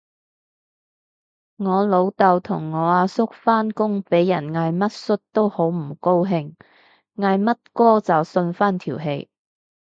我老豆同我阿叔返工俾人嗌乜叔都好唔高興，嗌乜哥就順返條氣